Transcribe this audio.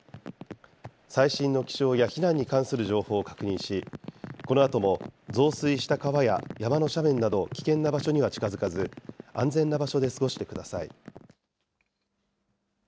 最新の気象や避難に関する情報を確認し、このあとも増水した川や山の斜面など、危険な場所には近づかず、安全な場所で過ごしてください。